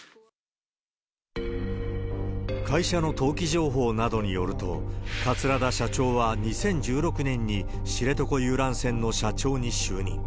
会社の登記情報などによると、桂田社長は２０１６年に、知床遊覧船の社長に就任。